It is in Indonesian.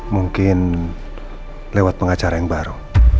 mungkin lewat pengacara yang baru